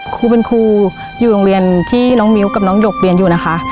ครูเป็นครูอยู่โรงเรียนที่น้องมิ้วกับน้องหยกเรียนอยู่นะคะ